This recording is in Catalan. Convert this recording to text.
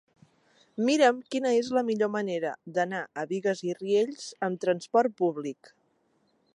Mira'm quina és la millor manera d'anar a Bigues i Riells amb trasport públic.